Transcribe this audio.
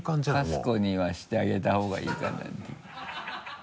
カス子にはしてあげたほうがいいかなって。